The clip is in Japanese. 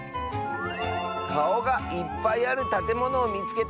「かおがいっぱいあるたてものをみつけた！」。